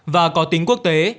và có tính quốc tế